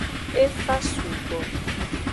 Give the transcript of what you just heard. E fa sugbo.